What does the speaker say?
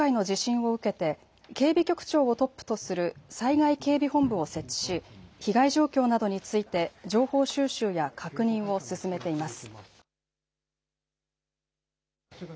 警察庁は今回の地震を受けて警備局長をトップとする災害警備本部を設置し被害状況などについて情報収集や確認を進めています。